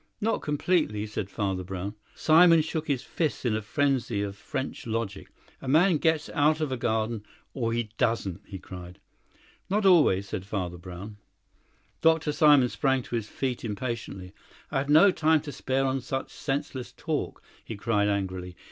"Not completely," said Father Brown. Simon shook his fists in a frenzy of French logic. "A man gets out of a garden, or he doesn't," he cried. "Not always," said Father Brown. Dr. Simon sprang to his feet impatiently. "I have no time to spare on such senseless talk," he cried angrily.